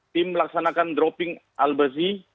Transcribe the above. tim melaksanakan dropping al bazi